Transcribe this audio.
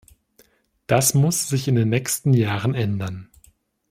Das muss sich in den nächsten Jahren ändern.